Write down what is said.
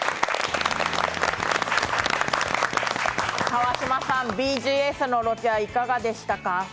川島さん、ＢＧＳのロケはいかがでしたか？